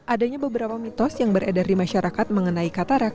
adanya beberapa mitos yang beredar di masyarakat mengenai katarak